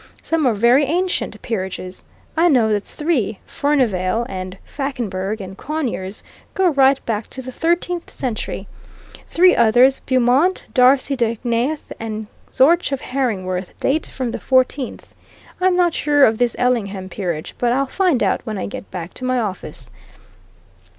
Some are very ancient peerages. I know that three Furnivale and Fauconberg and Conyers go right back to the thirteenth century; three others Beaumont, Darcy da Knayth, and Zorch of Haryngworth date from the fourteenth. I'm not sure of this Ellingham peerage but I'll find out when I get back to my office.